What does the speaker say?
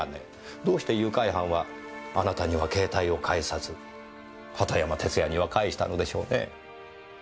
どうして誘拐犯はあなたには携帯を返さず畑山哲弥には返したのでしょうね？